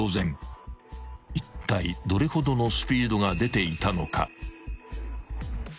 ［いったいどれほどのスピードが出ていたのか］